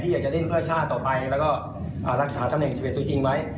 อยากจะเล่นเพื่อชาติต่อไปแล้วก็รักษาตำแหน่ง๑๑ตัวจริงไว้